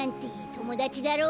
ともだちだろ。